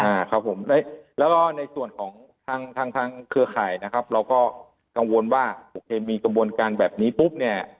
แล้วก็ในส่วนของทางเครือข่ายเราก็กังวลว่ามีกระบวนการแบบนี้ปุ๊บ